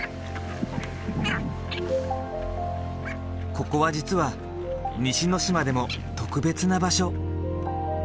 ここは実は西之島でも特別な場所。